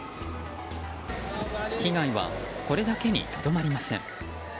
被害はこれだけにとどまりません。